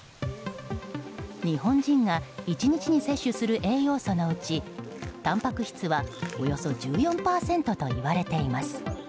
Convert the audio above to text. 日本人が１日に摂取する栄養素のうちたんぱく質はおよそ１４％といわれています。